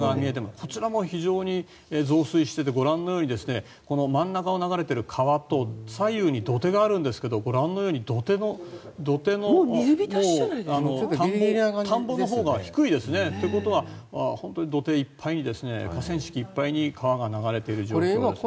こちらも非常に増水していてご覧のように真ん中を流れている川と左右に土手があるんですけどご覧のように土手も田んぼのほうが低いですね。ということは本当に土手いっぱいに河川敷いっぱいに川が流れている状況です。